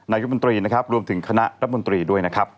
ยุทธมนตรีนะครับรวมถึงคณะรัฐมนตรีด้วยนะครับ